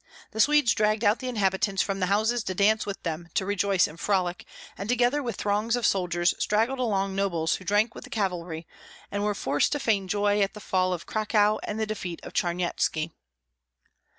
The Swedes dragged out the inhabitants from the houses to dance with them, to rejoice and frolic; and together with throngs of soldiers straggled along nobles who drank with the cavalry, and were forced to feign joy at the fall of Cracow and the defeat of Charnyetski.